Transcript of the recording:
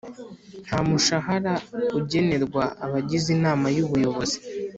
Nta mushahara ugenerwa abagize Inama y’ Ubuyobozi